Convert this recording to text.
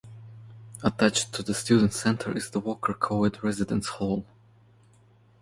Attached to the student center is the Walker co-ed residence hall.